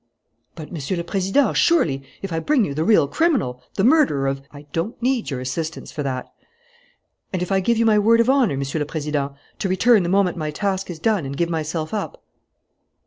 "But, Monsieur le President, surely, if I bring you the real criminal, the murderer of " "I don't need your assistance for that." "And if I give you my word of honour, Monsieur le Président, to return the moment my task is done and give myself up?"